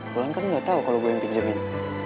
bulan kan gak tau kalo gue yang pinjamin